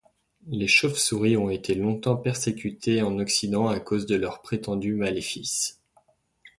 Les chauves-souris ont été longtemps persécutées en Occident à cause de leurs prétendus maléfices.